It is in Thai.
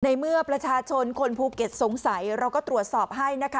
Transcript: ในเมื่อประชาชนคนภูเก็ตสงสัยเราก็ตรวจสอบให้นะคะ